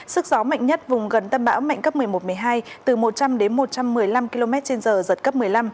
sức gió mạnh nhất vùng gần tâm bão mạnh cấp một mươi một một mươi hai từ một trăm linh đến một trăm một mươi năm km trên giờ giật cấp một mươi năm